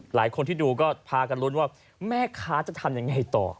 หลายคนที่ดูก็พากันลุ้นว่าแม่ค้าจะทำยังไงต่อ